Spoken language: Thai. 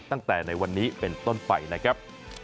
ตั้งแต่ในวันนี้เป็นต้นไปนะครับ